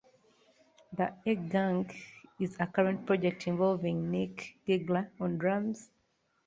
The A-Gang is a current project involving Nick Gigler on drums.